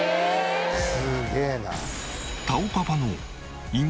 すげえな。